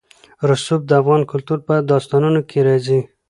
رسوب د افغان کلتور په داستانونو کې راځي.